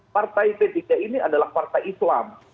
partai p tiga ini adalah partai islam